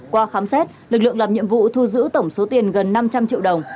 qua khám xét lực lượng làm nhiệm vụ thu giữ tổng số tiền gần năm trăm linh triệu đồng